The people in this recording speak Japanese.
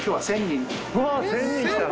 １，０００人来た？